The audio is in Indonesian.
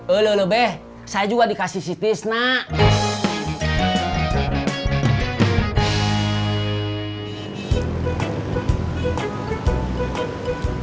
lululuh be saya juga dikasih si tis nak